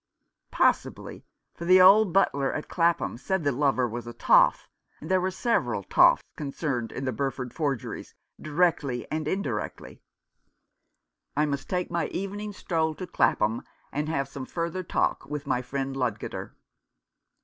Possibly, for the old butler at Clapham said the lover was a "toff" — and there were several toffs concerned in the Burford forgeries, directly and indirectly. I must take my evening stroll to Clapham, and have some further talk with my friend Ludgater.